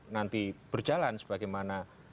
nanti berjalan sebagaimana